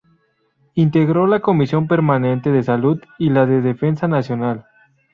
Integró la Comisión Permanente de Salud y la de Defensa Nacional.